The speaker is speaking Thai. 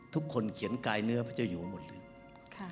ทุกคนเขียนกายเนื้อพระเจ้าอยู่หมดเลย